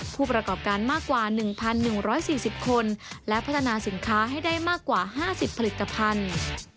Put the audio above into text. ผู้ประกอบการมากกว่า๑๑๔๐คนและพัฒนาสินค้าให้ได้มากกว่า๕๐ผลิตภัณฑ์